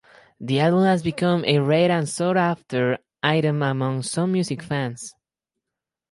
The album has become a rare and sought-after item among some music fans.